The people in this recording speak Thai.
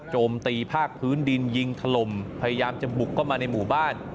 โจมตีภาคพื้นดินยิงถล่มพยายามจะบุกเข้ามาในหมู่บ้าน